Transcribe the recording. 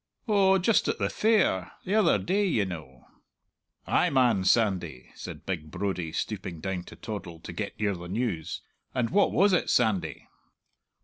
"Oh, just at the fair; the other day, ye know!" "Ay, man, Sandy!" said big Brodie, stooping down to Toddle to get near the news; "and what was it, Sandy?"